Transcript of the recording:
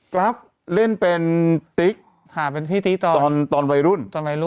กรัฟเล่นเป็นติ๊กตอนวัยรุ่น